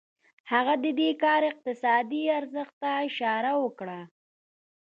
هغه د دې کار اقتصادي ارزښت ته اشاره وکړه